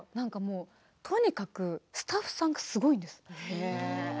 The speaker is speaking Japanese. とにかくスタッフさんがすごいです。